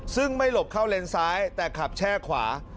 ซึ่งไม่หลบเข้าเลนซ้ายแต่ขับแช่ขวา